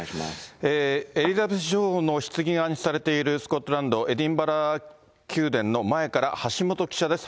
エリザベス女王のひつぎが安置されているスコットランド・エディンバラ宮殿の前から、橋本記者です。